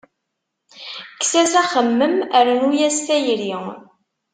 Kkes-as axemmem, rnnu-as tayri.